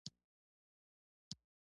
په افغانستان کې هرات ډېر اهمیت لري.